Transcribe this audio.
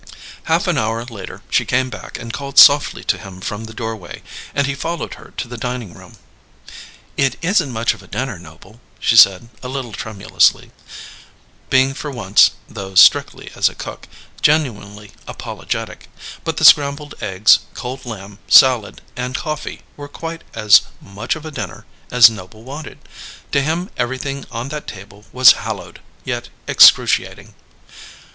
Half an hour later she came back and called softly to him from the doorway; and he followed her to the dining room. "It isn't much of a dinner, Noble," she said, a little tremulously, being for once (though strictly as a cook) genuinely apologetic; but the scrambled eggs, cold lamb, salad, and coffee were quite as "much of a dinner" as Noble wanted. To him everything on that table was hallowed, yet excruciating.